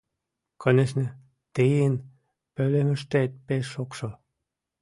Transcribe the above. — Конешне, тыйын пӧлемыштет пеш шокшо.